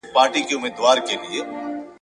د آس لغته آس زغمي `